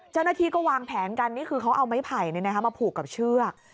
เจ้าหน้าที่ก็วางแผนกันนี่คือเขาเอาไม้ไผ่มาผูกกับเชือก